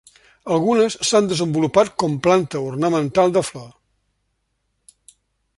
Algunes s'han desenvolupat com planta ornamental de flor.